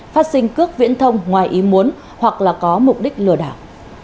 phát sinh cước viễn thông ngoài ý muốn hoặc là có mục đích lừa đảo